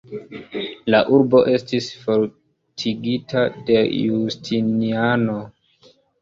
La urbo estis fortikigita de Justiniano.